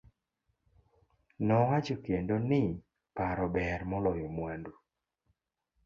Nowacho kendo ni paro ber maloyo mwandu.